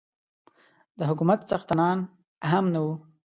د حکومت څښتنان هم نه وو.